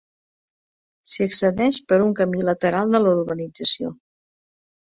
S'hi accedeix per un camí lateral de la urbanització.